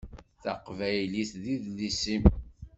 Taqbaylit d idles-im.